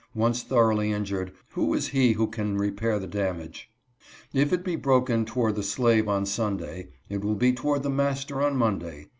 Once thoroughly injured, who is he who can repair the damage ? If it be broken toward the slave on Sunday, it will be toward the master on Monday.